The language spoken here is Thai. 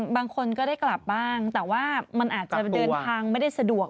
บางคนก็ได้กลับบ้างแต่ว่ามันอาจจะเดินทางไม่ได้สะดวก